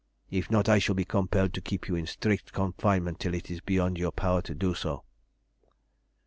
If not, I shall be compelled to keep you in strict confinement till it is beyond your power to do so."